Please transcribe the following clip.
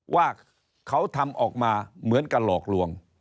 ว่าเขาทำออกมาเหมือนกับหลอกลวง